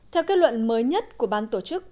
theo kết luận mới nhất của ban tổ chức